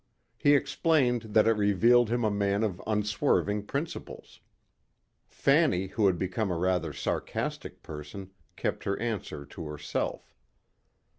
He explained that it revealed him a man of unswerving principles. Fanny, who had become a rather sarcastic person, kept her answer to herself.